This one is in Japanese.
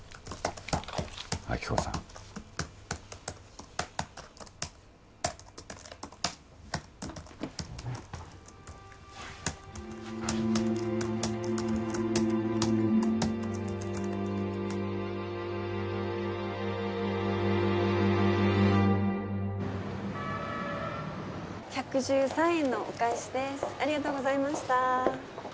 亜希子さん１１３円のお返しですありがとうございました